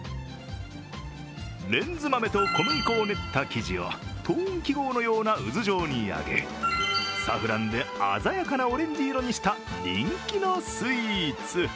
レンズ豆と小麦粉を練った生地をト音記号のような渦状に揚げ、サフランで鮮やかなオレンジ色にした人気のスイーツ。